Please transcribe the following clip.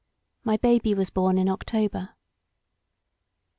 My Mby was bom in October."